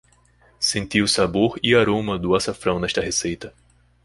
Senti o sabor e aroma do açafrão nesta receita